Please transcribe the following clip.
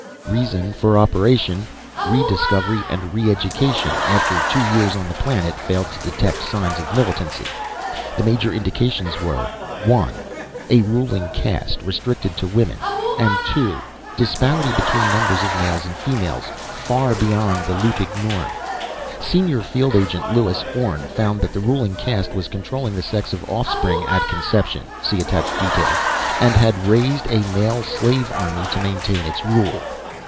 Reason for operation: Rediscovery & Re education after two years on the planet failed to detect signs of militancy. The major indications were: 1) a ruling caste restricted to women, and 2) disparity between numbers of males and females far beyond the Lutig norm! Senior Field Agent Lewis Orne found that the ruling caste was controlling the sex of offspring at conception (see attached details), and had raised a male slave army to maintain its rule.